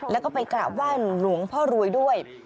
แล้วก็ไปกราบไหว้หลวงพ่อรวยด้วย